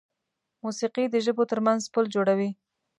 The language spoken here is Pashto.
موسیقي د ژبو تر منځ پل جوړوي.